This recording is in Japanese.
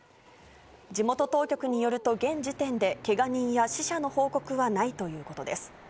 地元当局によると現時点でけが人や死者の報告はないということです。